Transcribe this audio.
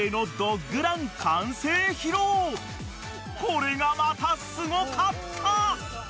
［これがまたすごかった！］